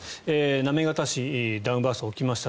行方市でダウンバーストが起きました。